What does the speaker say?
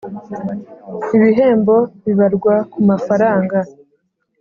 Ibihembo Bibarwa Ku Mafaranga